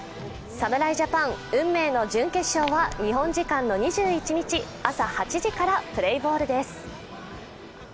侍ジャパン、運命の準決勝は日本時間の２１日朝８時からプレーボールです。